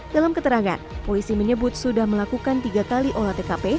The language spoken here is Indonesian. dalam keterangan polisi menyebut sudah melakukan tiga kali olah tkp